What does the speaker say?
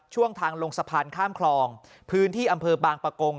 ช่วงทางลงสะพานข้ามคลองพื้นที่อำเภอบางปะกง